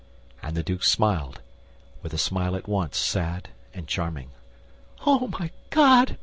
And the duke smiled, with a smile at once sad and charming. "Oh, my God!"